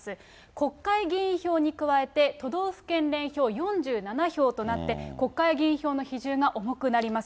国会議員票に加えて都道府県連票４７票となって、国会議員票の比重が重くなります。